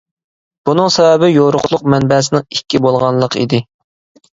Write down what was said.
بۇنىڭ سەۋەبى يورۇقلۇق مەنبەسىنىڭ ئىككى بولغانلىقى ئىدى.